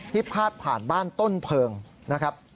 พาดผ่านบ้านต้นเพลิงนะครับ